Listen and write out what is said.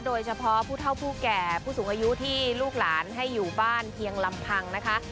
โดยเฉพาะผู้เท่าผู้แก่ผู้สูงอายุที่ลูกหลานให้อยู่บ้านเพียงลำพังนะคะ